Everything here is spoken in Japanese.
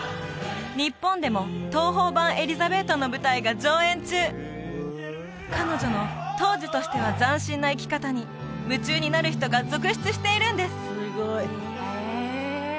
日本でも東宝版「エリザベート」の舞台が上演中彼女の当時としては斬新な生き方に夢中になる人が続出しているんです